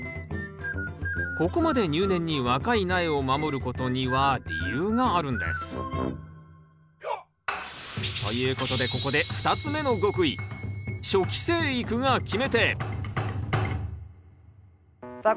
ここまで入念に若い苗を守ることには理由があるんです。ということでここで２つ目の極意さあ